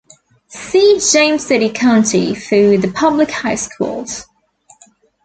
See James City County for the public high schools.